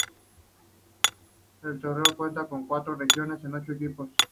El torneo cuenta con cuatro regiones de ocho equipos.